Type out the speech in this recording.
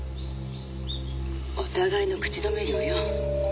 「お互いの口止め料よ」